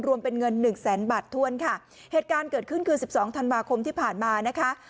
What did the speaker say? รวมเป็นเงินหนึ่งแสนบาทถ้วนค่ะเหตุการณ์เกิดขึ้นคือสิบสองธันวาคมที่ผ่านมานะคะ